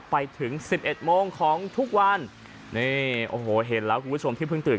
ไปถึงสิบเอ็ดโมงของทุกวันนี่โอ้โหเห็นแล้วคุณผู้ชมที่เพิ่งตื่น